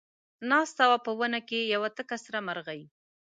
ناسته وه په ونه کې یوه تکه سره مرغۍ